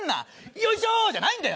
「よいしょー！」じゃないんだよ！